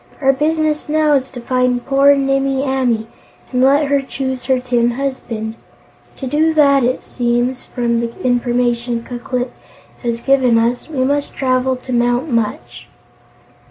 "Our business now is to find poor Nimmie Amee and let her choose her tin husband. To do that, it seems, from the information Ku Klip has given us, we must travel to Mount Munch."